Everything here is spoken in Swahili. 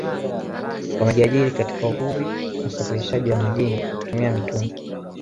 Wamejiajiri katika uvuvi na usafirishaji wa majini kwa kutumia mitumbwi